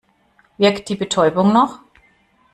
Wirkt die Betäubung noch?